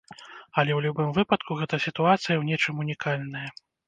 Але ў любым выпадку гэта сітуацыя ў нечым унікальная.